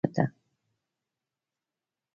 د نړیوالو پوځیانو څخه افغاني ظرفیتونو ته.